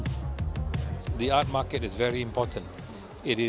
pemerintah seni sangat penting